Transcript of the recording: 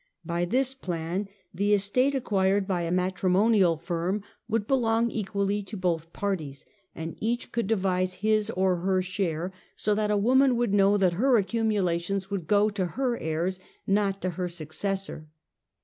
By this plan, the estate acquired by Many Mattees. 147 a matrimonial firm, would belong equally to Lotli par ties, and each could devise his or her share, so that a woman would know that her accumulations would go to her heirs, not to her successor.